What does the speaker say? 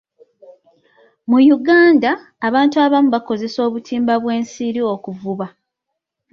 Mu Uganda, abantu abamu bakozesa obutimba bw'ensiri okuvuba.